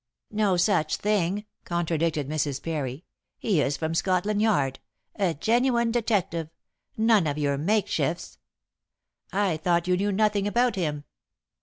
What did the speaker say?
"No such thing," contradicted Mrs. Parry, "he is from Scotland Yard. A genuine detective none of your makeshifts." "I thought you knew nothing about him?"